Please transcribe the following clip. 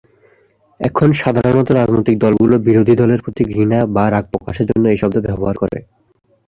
এখন সাধারণত রাজনৈতিক দলগুলো বিরোধী দলের প্রতি ঘৃণা বা রাগ প্রকাশের জন্য এই শব্দ ব্যবহার করে।